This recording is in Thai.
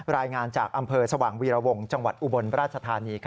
รายงานจากอำเภอสว่างวีรวงจังหวัดอุบลราชธานี